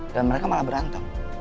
dan mereka malah berantem